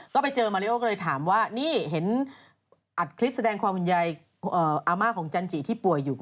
ก็ไปเจอมาริโอก็เลยถามว่านี่เห็นอัดคลิปแสดงความห่วงใยอาม่าของจันจิที่ป่วยอยู่